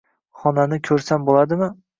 Xonani ko’rsam bo’ladimi?